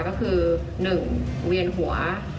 ก็คือ๑เวียนหัว